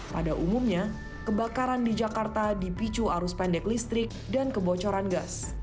pada umumnya kebakaran di jakarta dipicu arus pendek listrik dan kebocoran gas